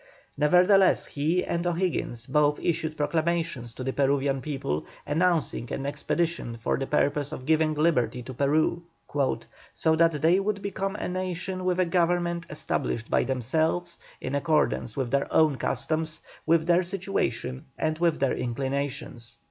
Nevertheless, he and O'Higgins both issued proclamations to the Peruvian people, announcing an expedition for the purpose of giving liberty to Peru: "So that they would become a nation with a Government established by themselves, in accordance with their own customs, with their situation, and with their inclinations."